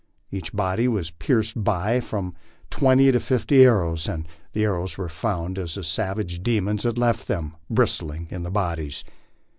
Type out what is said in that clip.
Each body was pierced by from twenty to fifty arrows, and the arrows were found as the savage demons had left them, bristling in the bodies.